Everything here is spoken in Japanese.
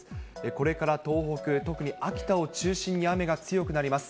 これから東北、特に秋田を中心に雨が強くなります。